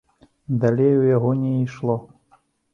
Далей у яго не ішло.